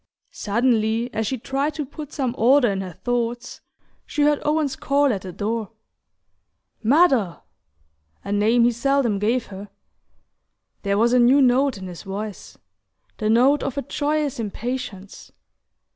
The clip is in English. Suddenly, as she tried to put some order in her thoughts, she heard Owen's call at the door: "Mother! " a name he seldom gave her. There was a new note in his voice: the note of a joyous impatience.